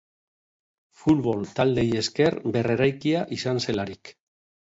Futbol taldeei esker berreraikia izan zelarik.